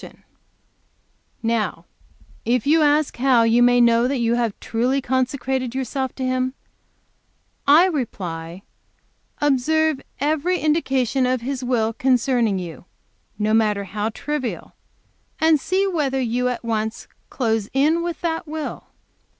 And now if you ask how you may know that you have truly consecrated yourself to Him, I reply, observe every indication of His will concerning you, no matter how trivial, and see whether you at once close in with that will.